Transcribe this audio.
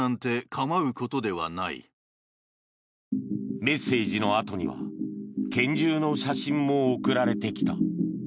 メッセージのあとには拳銃の写真も送られてきた。